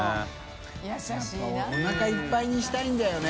笋辰僂おなかいっぱいにしたいんだよね。